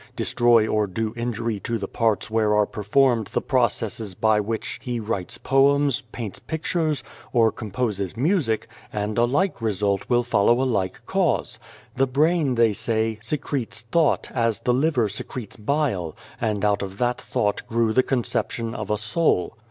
Destroy or do injury to the parts where are performed the processes by which he writes poems, paints pictures, or composes music, and a like result will follow a like cause. The brain, they say, secretes thought, as the liver secretes bile, and out of that thought grew the conception of a soul.